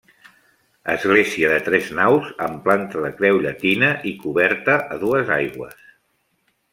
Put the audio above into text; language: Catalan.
Església de tres naus amb planta de creu llatina i coberta a dues aigües.